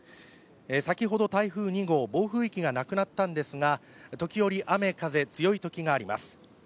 先ほど台風２号、暴風域がなくなったんですが時折、雨風、強いときがあります。